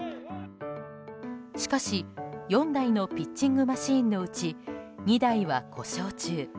しかし、４台のピッチングマシーンのうち２台は故障中。